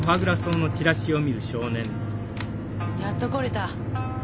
やっと来れた。